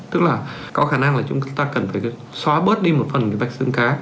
tức là có khả năng là chúng ta cần phải xóa bớt đi một phần cái vạch xương cá